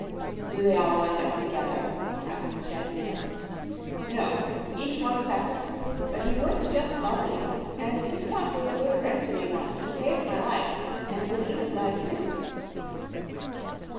"Do they all wind up together?" asked the shaggy man. "No; each one separate. But he works just lovely, and Tik tok was a good friend to me once, and saved my life and Billina's life, too."